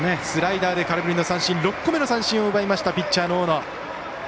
スライダーで６個目の三振を奪ったピッチャーの大野。